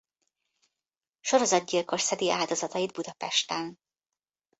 Sorozatgyilkos szedi áldozatait Budapesten.